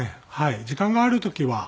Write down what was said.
時間がある時はもう。